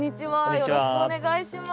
よろしくお願いします。